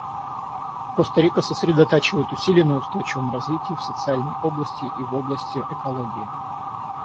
Коста-Рика сосредоточивает усилия на устойчивом развитии в социальной области и в области экологии.